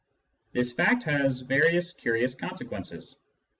This fact has various curious consequences.